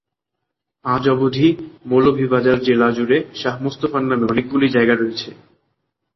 আজ অবধি মৌলভীবাজার জেলা জুড়ে শাহ মোস্তফার নামে অনেকগুলি জায়গা রয়েছে।